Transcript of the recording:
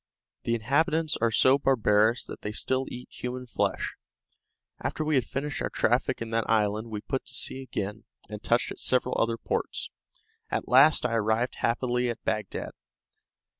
The inhabitants are so barbarous that they still eat human flesh. After we had finished our traffic in that island we put to sea again, and touched at several other ports; at last I arrived happily at Bagdad.